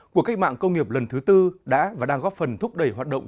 cuộc cách mạng công nghiệp lần thứ tư đã và đang góp phần thúc đẩy hoạt động